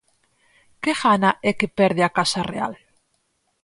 Que gana e que perde a Casa Real?